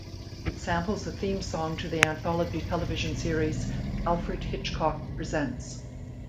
It samples the theme song to the anthology television series "Alfred Hitchcock Presents".